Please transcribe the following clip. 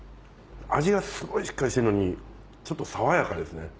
味がすごいしっかりしてるのにちょっと爽やかですね。